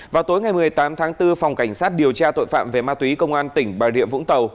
vào tối ngày một mươi tám tháng bốn phòng cảnh sát điều tra tội phạm về ma túy công an tỉnh bà rịa vũng tàu